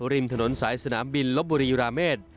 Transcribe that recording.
ริมถนนสายสนามบินลบบุรีราเมษ